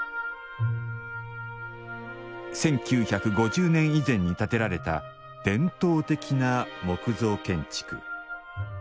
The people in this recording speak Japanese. １９５０年以前に建てられた伝統的な木造建築。